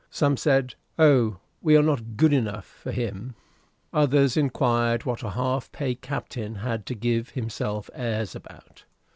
Some said, "Oh, we are not good enough for him!", others inquired what a half pay captain had to give himself airs about.